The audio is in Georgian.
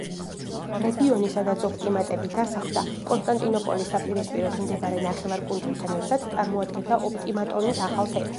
რეგიონი სადაც ოპტიმატები დასახლდა, კონსტანტინოპოლის საპირისპიროდ მდებარე ნახევარკუნძულთან ერთად წარმოადგენდა ოპტიმატონის ახალ თემს.